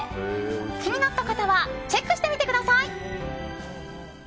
気になった方はチェックしてみてください！